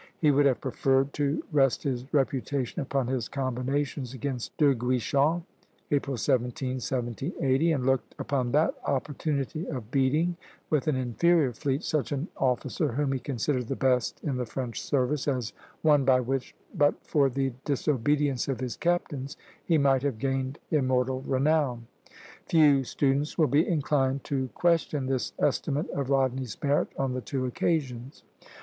He would have preferred to rest his reputation upon his combinations against De Guichen, April 17, 1780, and "looked upon that opportunity of beating, with an inferior fleet, such an officer, whom he considered the best in the French service, as one by which, but for the disobedience of his captains, he might have gained immortal renown." Few students will be inclined to question this estimate of Rodney's merit on the two occasions.